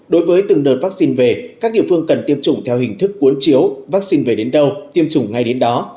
đối với từng đợt vaccine về các địa phương cần tiêm chủng theo hình thức cuốn chiếu vaccine về đến đâu tiêm chủng ngay đến đó